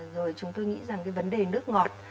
rồi chúng tôi nghĩ rằng cái vấn đề nước ngọt